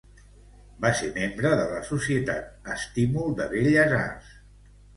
Va ser membre de la Societat Estímul de Belles Arts.